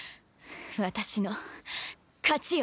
私の勝ちよ。